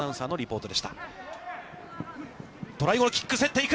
トライ後のキック、競っていく。